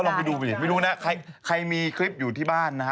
ลองไปดูไปดิไม่รู้นะใครมีคลิปอยู่ที่บ้านนะฮะ